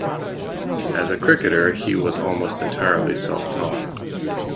As a cricketer he was almost entirely self-taught.